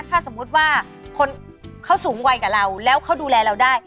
ถ้าสมมุติว่าคนเขาสูงวัยกว่าเราแล้วเขาดูแลเราได้